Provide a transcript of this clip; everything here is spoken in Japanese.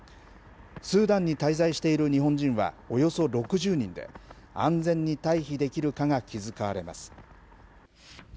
スーダンに滞在している日本人は、およそ６０人で、安全に退避できるかが気遣われます。